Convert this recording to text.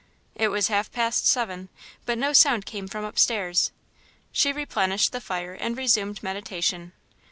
It was half past seven, but no sound came from upstairs. She replenished the fire and resumed meditation.